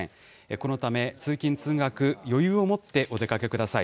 このため、通勤・通学、余裕を持ってお出かけください。